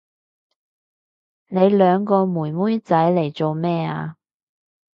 你兩個妹妹仔嚟做乜啊？